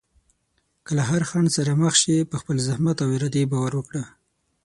که له هر خنډ سره مخ شې، په خپل زحمت او ارادې باور وکړه.